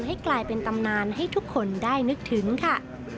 ให้กลายเป็นตำนานให้ทุกคนได้นึกถึงค่ะ